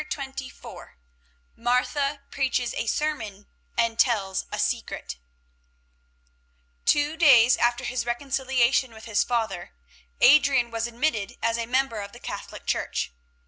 CHAPTER XXIV MARTHA PREACHES A SERMON AND TELLS A SECRET Two days after his reconciliation with his father, Adrian was admitted as a member of the Catholic Church.